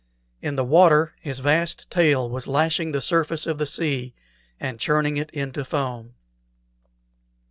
In the water his vast tail was lashing the surface of the sea, and churning it into foam.